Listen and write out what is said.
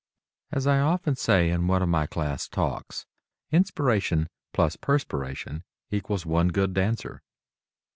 As I often say, in one of my class talks, "Inspiration plus perspiration equals one good dancer."